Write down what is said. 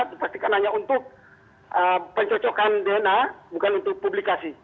dipastikan hanya untuk pencocokan dna bukan untuk publikasi